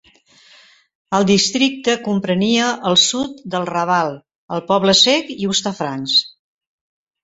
El districte comprenia el sud del Raval, el Poble Sec i Hostafrancs.